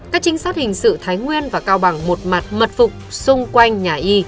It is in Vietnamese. các trinh sát hình sự thái nguyên và cao bằng một mặt mật phục xung quanh nhà y